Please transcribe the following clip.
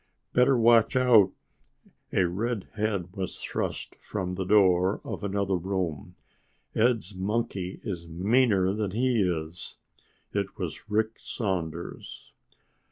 "Better watch out!" A red head was thrust from the door of another room. "Ed's monkey is meaner than he is." It was Rick Saunders.